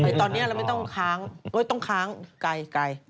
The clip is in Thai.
คือตอนนี้เราไม่ต้องค้างก็ต้องค้างไกล